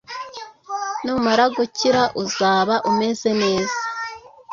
numara gukira uzaba umeze neza